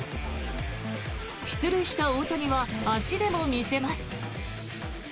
出塁した大谷は足でも見せます。